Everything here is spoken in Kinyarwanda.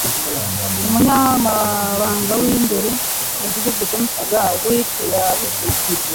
Umunyamabanga w’imbere mu gihugu James G. Watt yabuze